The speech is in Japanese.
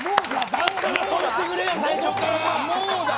だったらそうしてくれよ、最初から。